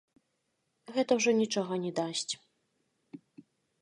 Гэта ўжо нічога не дасць.